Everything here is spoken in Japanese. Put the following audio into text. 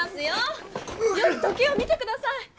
よく時計を見てください！